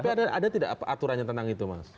tapi ada tidak aturannya tentang itu mas